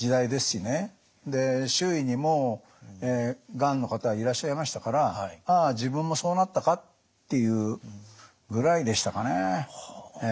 周囲にもがんの方いらっしゃいましたから「ああ自分もそうなったか」っていうぐらいでしたかね。